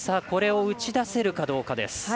これを打ち出せるかどうかです。